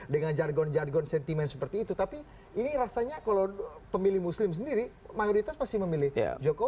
dengan jargon jargon sentimen seperti itu tapi ini rasanya kalau pemilih muslim sendiri mayoritas pasti memilih jokowi